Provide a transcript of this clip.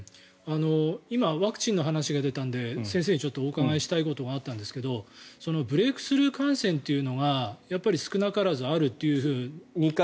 今ワクチンの話が出たので先生にお伺いしたいことがあったんですけどブレークスルー感染というのがやっぱり少なからずあるという。